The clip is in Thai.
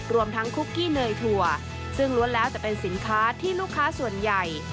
รวมทั้งคุกกี้เนยถั่วซึ่งล้วนแล้วแต่เป็นสินค้าที่ลูกค้าส่วนใหญ่